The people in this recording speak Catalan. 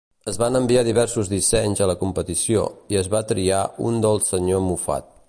Es van enviar diversos dissenys a la competició i es va triar un del Sr. Moffat.